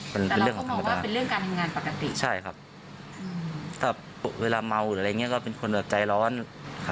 ซึ่งในหนึ่งเดือนเนี่ยจะทำแค่สามวันก็จะเสร็จแต่เขาจะ